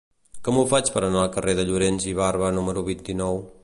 Com ho faig per anar al carrer de Llorens i Barba número vint-i-nou?